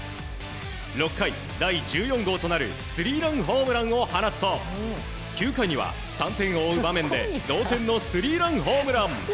６回、第１４号となるスリーランホームランを放つと９回には３点を追う場面で同点のスリーランホームラン。